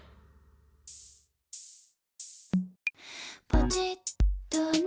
「ポチッとね」